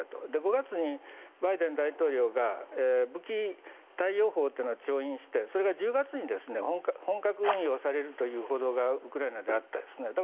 ５月にバイデン大統領が武器貸与法を承認してそれが１０月に本格運用されるという報道がウクライナでありました。